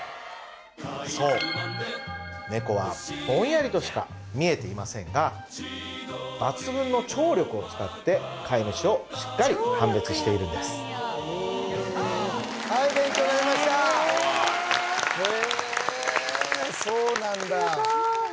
そう猫はぼんやりとしか見えていませんが抜群の聴力を使って飼い主をしっかり判別しているんです・全部なくなってましたもんね